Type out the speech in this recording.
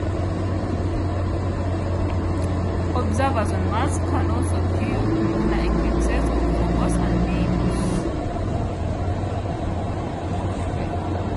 Observers on Mars can also view lunar eclipses of Phobos and Deimos.